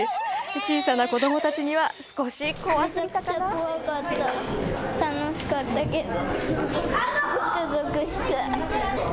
小さな子どもたちには少し怖すぎたかな。